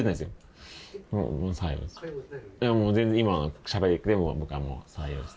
もう全然今のしゃべりで僕はもう採用です。